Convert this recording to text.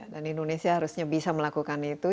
dan indonesia harusnya bisa melakukan itu